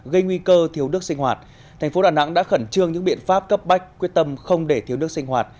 gây nguy cơ thiếu nước sinh hoạt thành phố đà nẵng đã khẩn trương những biện pháp cấp bách quyết tâm không để thiếu nước sinh hoạt